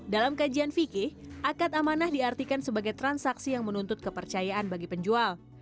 dalam kajian fikih akad amanah diartikan sebagai transaksi yang menuntut kepercayaan bagi penjual